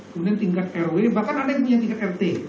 kemudian tingkat rw bahkan ada yang tingkat rt